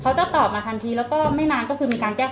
เขาจะตอบมาทันทีแล้วก็ไม่นานก็คือมีการแก้